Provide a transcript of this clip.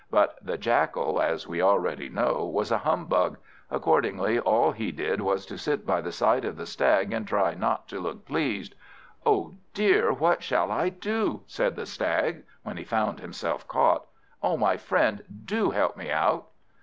But the Jackal, as we already know, was a humbug; accordingly, all he did was to sit by the side of the Stag, and try not to look pleased. "Oh dear, what shall I do?" said the Stag, when he found himself caught. "Oh my friend, do help me out."